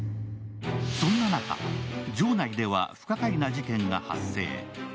そんな中、城内では不可解な事件が発生。